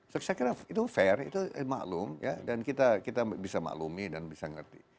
saya kira itu fair itu maklum dan kita bisa maklumi dan bisa ngerti